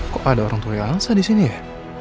kok ada orang tua yang saya di sini ya